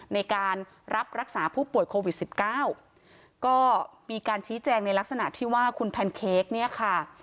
ในการรับรักษาผู้ป่วยโควิดสิบเก้าก็มีการชี้แจงในลักษณะที่ว่าคุณแพนเค้กเนี่ยค่ะ